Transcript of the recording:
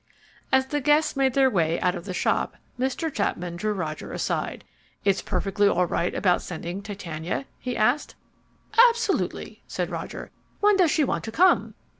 As the guests made their way out through the shop, Mr. Chapman drew Roger aside. "It's perfectly all right about sending Titania?" he asked. "Absolutely," said Roger. "When does she want to come?"